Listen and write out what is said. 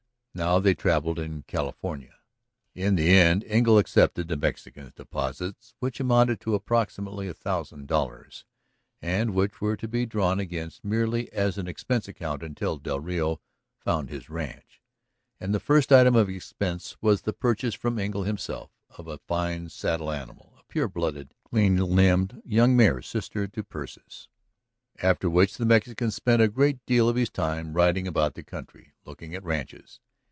Now they travelled in California. In the end Engle accepted the Mexican's deposits, which amounted to approximately a thousand dollars, and which were to be drawn against merely as an expense account until del Rio found his ranch. And the first item of expense was the purchase from Engle himself of a fine saddle animal, a pure blooded, clean limbed young mare, sister to Persis. After which the Mexican spent a great deal of his time riding about the country, looking at ranches.